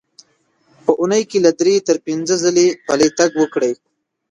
په اوونۍ کې له درې تر پنځه ځله پلی تګ وکړئ.